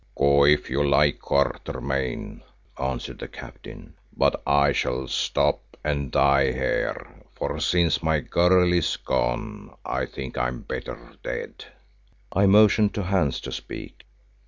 "Go if you like, Quatermain," answered the Captain, "but I shall stop and die here, for since my girl is gone I think I'm better dead." I motioned to Hans to speak.